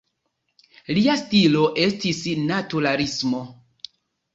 Lia stilo estis naturalismo.